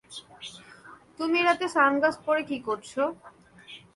তুমি রাতে সানগ্লাস পড়ে কী করছ?